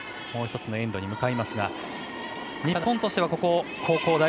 もう１つのエンドに向かいますが日本としては、ここは後攻。